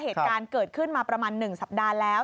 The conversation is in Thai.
เหตุการณ์เกิดขึ้นมาประมาณ๑สัปดาห์แล้ว